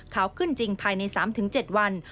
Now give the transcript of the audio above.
ขึ้นจริงภายใน๓๗วัน